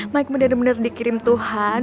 mike bener bener dikirim tuhan